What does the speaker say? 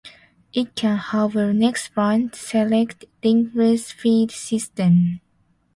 It can have a next-round select, linkless feed system.